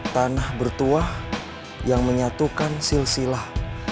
tanah bertuah yang menyatukan silsilah